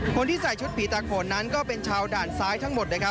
คนที่ใส่ชุดผีตาโขนนั้นก็เป็นชาวด่านซ้ายทั้งหมดนะครับ